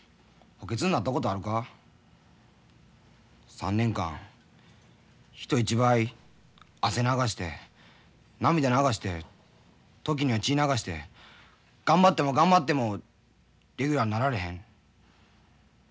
３年間人一倍汗流して涙流して時には血流して頑張っても頑張ってもレギュラーになられへん。